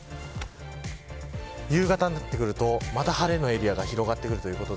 さらに夕方になってくるとまた晴れのエリアが広がってきます。